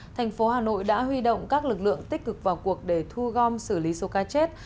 thành phố hà nội đã huy động các lực lượng tích cực vào cuộc để thu gom xử lý số ca chết